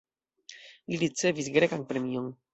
Li ricevis grekan premion.